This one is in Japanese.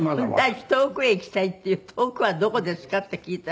「第一“遠くへ行きたい”っていう遠くはどこですか？」って聞いたら。